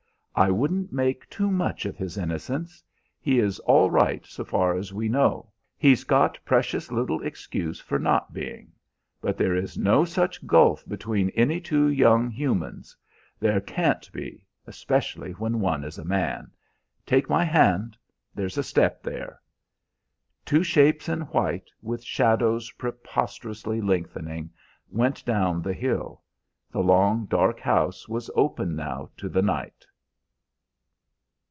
"I wouldn't make too much of his innocence. He is all right so far as we know; he's got precious little excuse for not being: but there is no such gulf between any two young humans; there can't be, especially when one is a man. Take my hand. There's a step there." Two shapes in white, with shadows preposterously lengthening, went down the hill. The long, dark house was open now to the night.